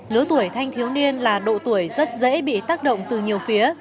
lứa tuổi thanh thiếu niên là độ tuổi rất dễ bị tác động từ nhiều phía